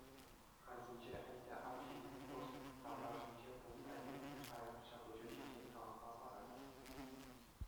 Хальхинче ӗнтӗ арҫынни Курск таврашӗнче пулса иртнӗ хаяр ҫапӑҫу ҫинчен каласа парать.